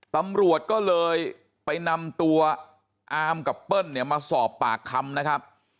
ตำรวจก็เลยไปนำตัวอามกับเปิ้ลเนี่ยมาสอบปากคำนะครับ